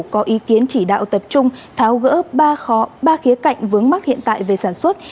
có ý kiến chỉ đạo tập trung tháo gỡ ba khía cạnh vướng mắc hiện tại về sản xuất